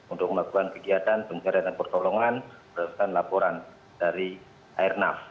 untuk melakukan kegiatan pencarian dan pertolongan berdasarkan laporan dari airnav